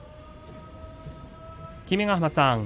君ヶ濱さん